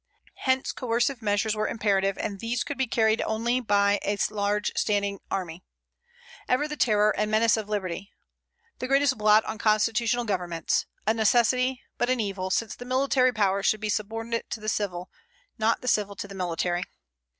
Hence coercive measures were imperative; and these could be carried only by a large standing army, ever the terror and menace of liberty; the greatest blot on constitutional governments, a necessity, but an evil, since the military power should be subordinate to the civil, not the civil to the military.